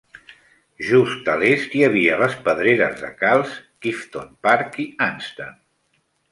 Just a l'est hi havia les pedreres de calç Kiveton Park i Anston.